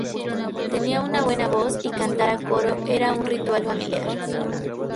Tenía una buena voz y cantar a coro era un ritual familiar.